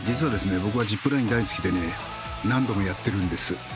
僕はジップライン大好きでね何度もやってるんです。